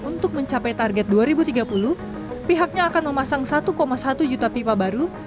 untuk mencapai target dua ribu tiga puluh pihaknya akan memasang satu satu juta pipa baru